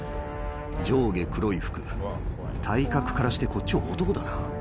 上下黒い服体格からしてこっちは男だな。